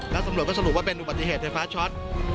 แล้วตำรวจก็สรุปว่าเป็นอุบัติเหตุไฟฟ้าช็อต